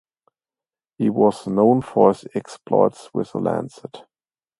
He was known for his exploits with a lancet.